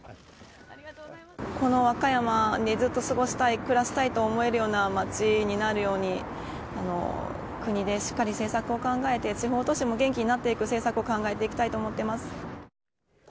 この和歌山にずっと過ごしたい、暮らしたいと思えるような町になるように国でしっかり政策を考えて、地方都市も元気になっていく政策を考えていきたいと思っています。